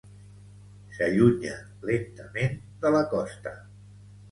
S'allunya lentament de la costa.